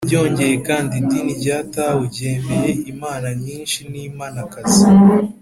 byongeye kandi, idini rya tao ryemeye imana nyinshi n’imanakazi